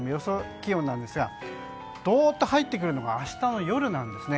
気温なんですけれどもどーっと入ってくるのが明日の夜なんですね。